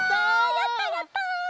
やったやった！